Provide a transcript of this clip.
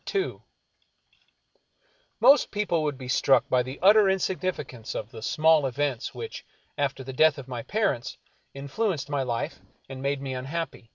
II Most people would be struck by the utter insignificance of the small events which, after the death of my parents, influenced my life and made me unhappy.